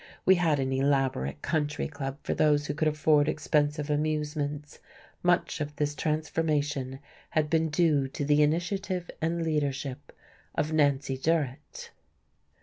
We had an elaborate country club for those who could afford expensive amusements. Much of this transformation had been due to the initiative and leadership of Nancy Durrett....